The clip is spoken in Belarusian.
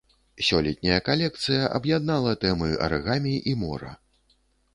Сёлетняя калекцыя аб'яднала тэмы арыгамі і мора.